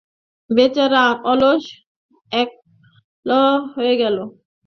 বেচারা অমল একলা চলে গেল।